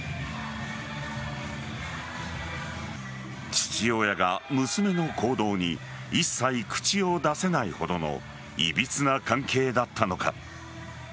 父親が娘の行動に一切口を出せないほどのいびつな関係だったのか。